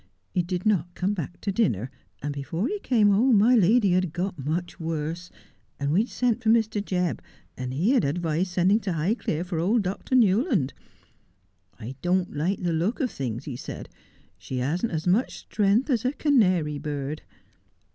He did not come back to dinner, and before he came home my lady had got much worse, and we had sent for Mr. Jebb, and he had advised sending to Highclere for old Dr. Newland. " I don't like the look of things," he said ;" she hasn't as much strength as a canary bird."